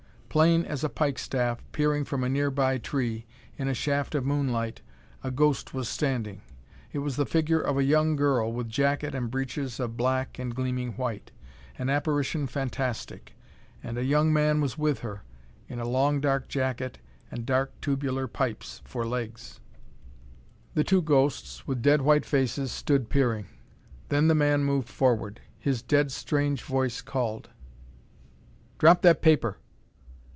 Plain as a pikestaff, peering from a nearby tree, in a shaft of moonlight, a ghost was standing. It was the figure of a young girl, with jacket and breeches of black and gleaming white. An apparition fantastic! And a young man was with her, in a long dark jacket and dark tubular pipes, for legs. The two ghosts with dead white faces stood peering. Then the man moved forward. His dead, strange voice called: "Drop that paper!"